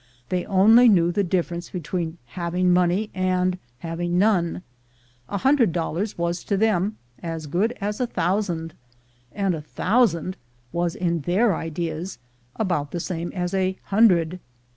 They only knew the difference between having money and having none; a hundred dollars was to them as good as a thousand, and a thousand was in their ideas about the same as a hundred.